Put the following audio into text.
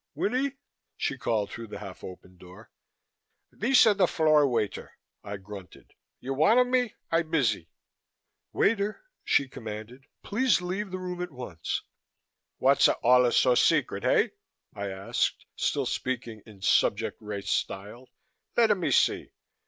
"Winnie?" she called through the half open door. "Theesa tha floor waiter," I grunted. "You wanta me? I busy." "Waiter," she commanded, "please leave the room at once." "What'sa alla so secret, hey?" I asked, still speaking in subject race style. "Letta me see!"